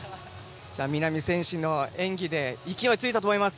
南選手の演技で勢いついたと思います。